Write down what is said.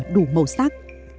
đủ màu sắc